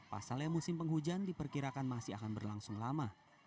pasalnya musim penghujan diperkirakan masih akan berlangsung lama